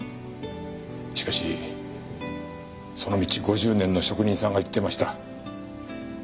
しかしその道５０年の職人さんが言ってました。